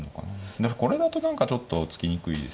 でもこれだと何かちょっと突きにくいです。